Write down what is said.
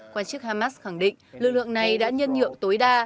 quan chức hamas khẳng định lực lượng này đã nhân nhượng tối đa